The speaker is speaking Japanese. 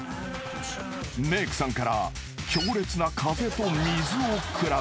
［メイクさんから強烈な風と水を食らう］